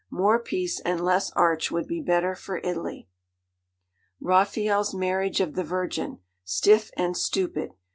More peace and less arch would be better for Italy. 'Raphael's Marriage of the Virgin. Stiff and stupid.